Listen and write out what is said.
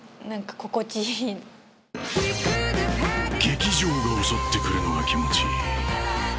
激情が襲ってくるのが気持ちいい。